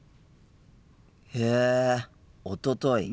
へえ「おととい」。